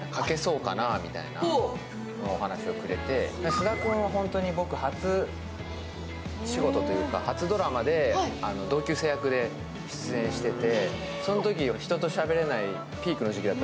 菅田くんは僕、初仕事というか、初ドラマで同級生役で出演してて。